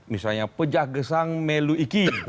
misalnya pejahgesang melu iki